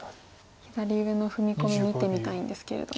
左上の踏み込み見てみたいんですけれども。